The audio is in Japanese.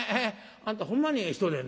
あんたほんまにええ人でんな。